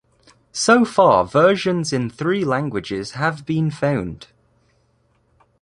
So far versions in three languages have been found.